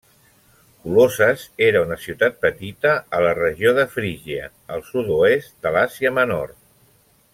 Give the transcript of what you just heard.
Colosses era una ciutat petita a la regió de Frígia, al sud-oest de l'Àsia Menor.